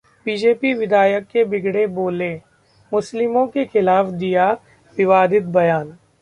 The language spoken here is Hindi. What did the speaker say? बीजेपी विधायक के बिगड़े बोले- मुस्लिमों के खिलाफ दिया विवादित बयान